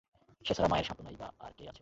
সে ছাড়া মায়ের সান্ত্বনাই বা আর কে আছে!